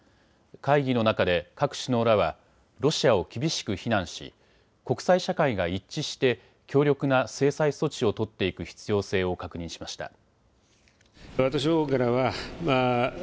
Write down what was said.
会議の中で各首脳らはロシアを厳しく非難し国際社会が一致して強力な制裁措置を取っていく必要性を確認しました。